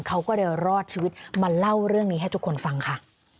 เขาก็เลยรอดชีวิตมาเล่าเรื่องนี้ให้ทุกคนฟังค่ะ